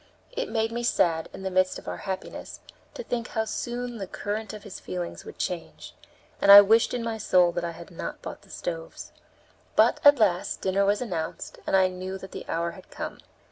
It made me sad, in the midst of our happiness, to think how soon the current of his feelings would change, and I wished in my soul that I had not bought the stoves. But, at last, dinner was announced, and I knew that the hour had come.